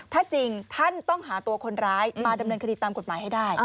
ถ้าจริงท่านต้องหาตัวคนร้ายมาดำเนินคดีตามกฎหมายให้ได้